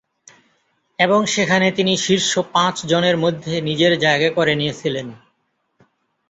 এবং সেখানে তিনি শীর্ষ পাঁচ জনের মধ্যে নিজের জায়গা করে নিয়েছিলেন।